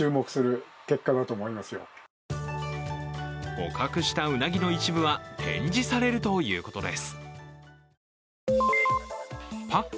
捕獲したウナギの一部は展示されるということです。